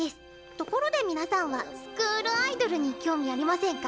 ところで皆さんはスクールアイドルに興味ありませんか？